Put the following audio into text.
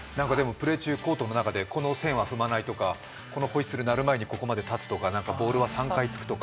プレー中、コートの中でこの線は踏まないとかこのホイッスル鳴る前にここに立つとかボールは３回つくとか。